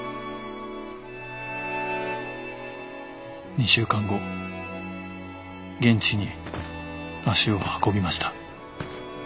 ２週間後現地に足を運びました。